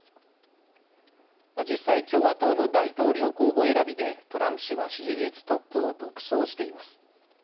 実際共和党の大統領候補選びでトランプ氏は支持率トップを独走しています。